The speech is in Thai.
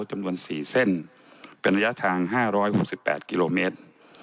จำนวน๔เส้นเป็นระยะทาง๕๖๘กิโลเมตร